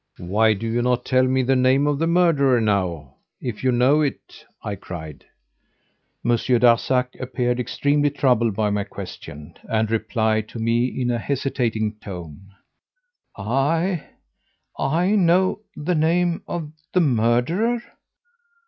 "'Why do you not tell me the name of the murderer now, if you know it?' I cried. "Monsieur Darzac appeared extremely troubled by my question, and replied to me in a hesitating tone: "'I? I know the name of the murderer?